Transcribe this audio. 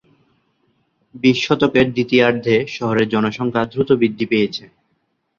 বিশ শতকের দ্বিতীয়ার্ধে শহরের জনসংখ্যা দ্রুত বৃদ্ধি পেয়েছে।